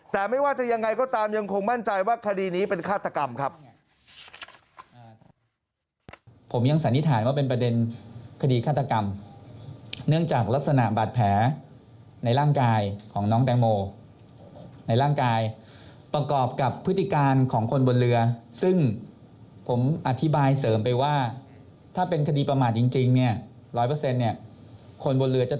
แต่ไม่ว่าจะยังไงก็ตามยังคงมั่นใจว่าคดีนี้เป็นฆาตกรรมครับ